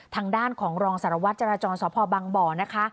ทางด้านของรองสารวัตรจราจรสพบังบ่อนะคะ